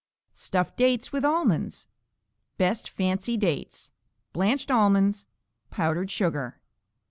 Stuffed Dates with Almonds Best fancy dates. Blanched almonds. Powdered sugar.